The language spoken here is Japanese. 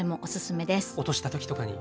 落とした時とかに。